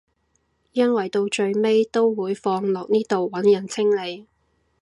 因為到最尾都會放落呢度揾人清理